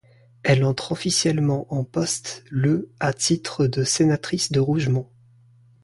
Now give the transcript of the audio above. Elle entre officiellement en poste le à titre de sénatrice de Rougemont.